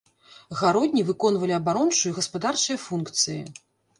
Гародні выконвалі абарончую і гаспадарчыя функцыі.